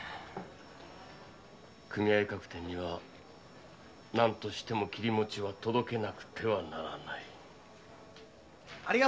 組合各店には何としても切餅は届けなくてはならない。